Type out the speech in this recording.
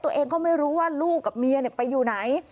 ตัวเองก็ไม่รู้ว่าลูกกับเมียไปอยู่ไหน